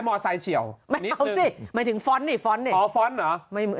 มอร์ไซด์เฉียวไม่เอาสิหมายถึงฟ้อนต์นี่ฟ้อนต์นี่อ๋อฟ้อนต์เหรอไม่